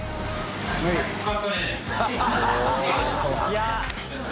いや。